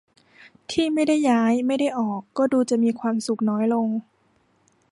ที่ไม่ได้ย้าย ไม่ได้ออก ก็ดูจะมีความสุขน้อยลง